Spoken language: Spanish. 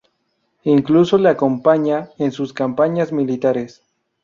Incluso le acompaña en sus campañas militares.